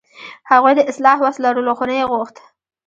هغوی د اصلاح وس لرلو، خو نه یې غوښت.